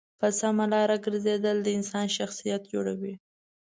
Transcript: په سمه لاره گرځېدل د انسان شخصیت جوړوي.